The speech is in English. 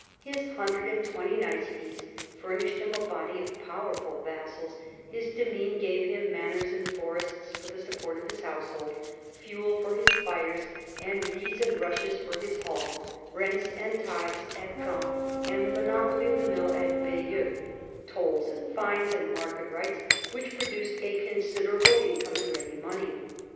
His hundred and twenty knights' fees furnished him a body of power ful vassals ; his demesne gave him manors and forests for the support of his household, fuel for his fires and reeds and rushes for his hall, rents and tithes at Caen and the monopoly of the mill at Bayeux, tolls and fines and market rights which produced a considerable income in ready money.